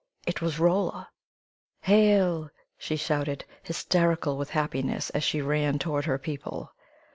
It was Rolla! "Hail!" she shouted, hysterical with happiness as she ran toward her people.